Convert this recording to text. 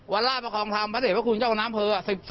วันล่าประกอบความพระเทศพระคุณเจ้ากับน้ำเผลอ๑๔๑๕